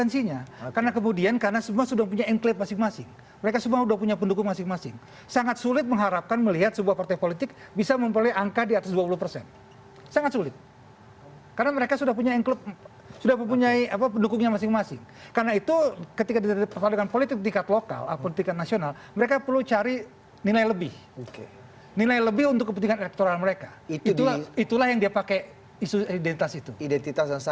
sikap dari kelompok politik tengah kelompok moderat yang hanya diam